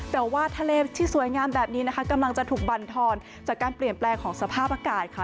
แต่ว่าทะเลที่สวยงามแบบนี้นะคะกำลังจะถูกบรรทอนจากการเปลี่ยนแปลงของสภาพอากาศค่ะ